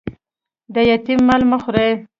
د یتيم مال مه خوري